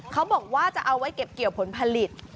เขาบอกว่าจะเอาไว้เก็บเกี่ยวผลผลิต